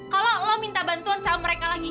kalau lo minta bantuan sama mereka lagi